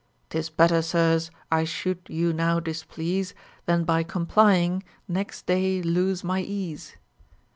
255 'Tis better, sirs, Τ should ^'ou now displease, Than by complying next day lose my ease.